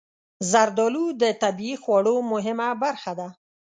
زردالو د طبعي خواړو مهمه برخه ده.